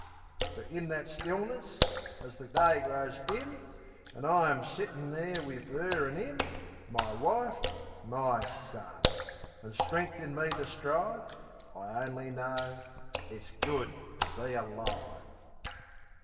But in that stillness, as the day grows dim, An' I am sittin' there wiv 'er an' 'im My wife, my son! an' strength in me to strive, I only know it's good to be alive!